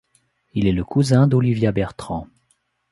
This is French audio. Il est le cousin d'Olivia Bertrand.